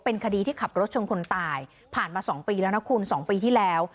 เป็นคดีที่ขับรถชนคนตายผ่านมา๒ปีแล้วนะคุณ๒ปีที่แล้ว